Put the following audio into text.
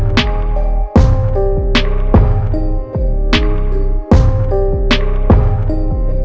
kita sudah jauh dari anak buah tua